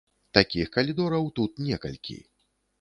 Такіх калідораў тут некалькі.